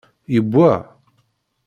Yewwa?